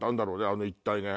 あの一帯。